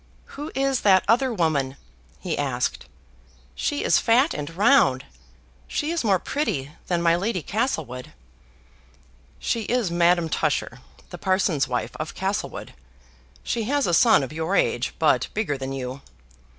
"Who is that other woman?" he asked. "She is fat and round; she is more pretty than my Lady Castlewood." "She is Madame Tusher, the parson's wife of Castlewood. She has a son of your age, but bigger than you."